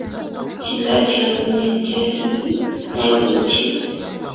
清代乾隆年间已有名气。